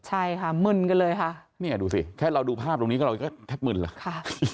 ใช่ค่ะมึนกันเลยค่ะเนี่ยดูสิแค่เราดูภาพตรงนี้ก็เราก็แทบมึนแล้วค่ะ